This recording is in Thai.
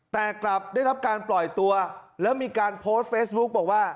แต่กลับได้รับการปล่อยตัวแล้วมีการโพสต์เฟซบุ๊กบอกว่า